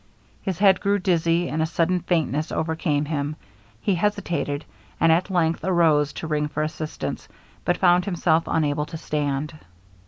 His head grew dizzy, and a sudden faintness overcame him; he hesitated, and at length arose to ring for assistance, but found himself unable to stand.